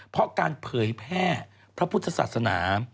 เพราะการเผยแพร่พระพุทธศาสนา